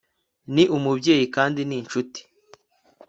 ni umubyeyi kandi ni inshuti